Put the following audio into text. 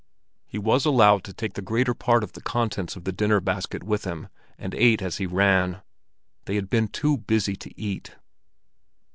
He was allowed to take the greater part of the contents of the dinner basket with him, and ate as he ran. They had been too busy to eat.